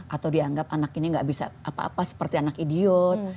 atau dianggap anak ini nggak bisa apa apa seperti anak idiot